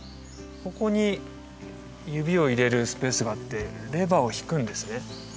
ここに指を入れるスペースがあってレバーを引くんですね